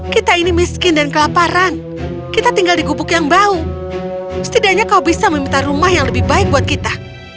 kita ini miskin dan kelaparan kita tinggal di gubuk yang bau setidaknya kau bisa meminta rumah yang lebih baik buat kita